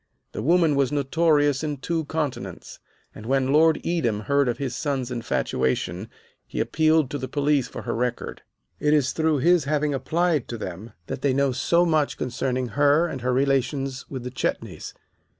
The woman was notorious in two continents, and when Lord Edam heard of his son's infatuation he appealed to the police for her record. "It is through his having applied to them that they know so much concerning her and her relations with the Chetneys.